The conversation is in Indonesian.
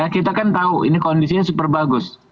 kita kan tahu ini kondisinya super bagus